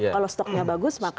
kalau stoknya bagus maka